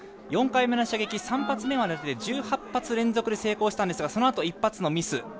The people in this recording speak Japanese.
４回目の射撃３発目までで１８発連続で成功したんですけどそのあと１発のミス。